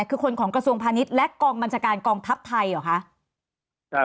คือคนของกระทรวงพาณิชย์และกองบัญชาการกองทัพไทยเหรอคะ